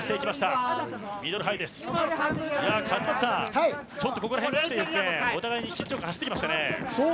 勝俣さん、ちょっとここら辺で互いに緊張感が走ってきましたね。